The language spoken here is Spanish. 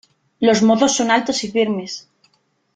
Los mozos son altos y firmes.